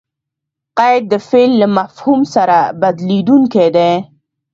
قید؛ د فعل له مفهوم سره بدلېدونکی دئ.